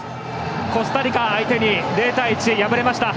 コスタリカ相手に０対１敗れました。